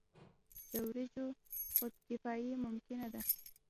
د وریجو خودکفايي ممکنه ده.